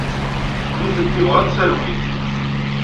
Nitenti bɣant talwit.